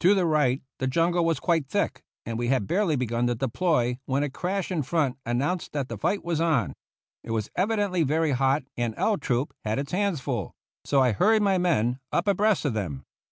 To the right the jungle was quite thick, and we had barely begun to deploy when a crash in front announced that the fight was on. It was evidently very hot, and L Troop had its hands full; so I hurried my men up abreast of them.